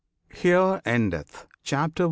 HERE ENDETH CHAPTER I.